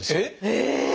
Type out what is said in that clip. ええ！